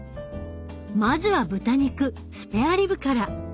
まずは豚肉スペアリブから。